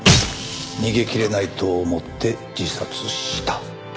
逃げ切れないと思って自殺した。